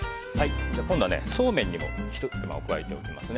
今度はそうめんにもひと手間を加えておきます。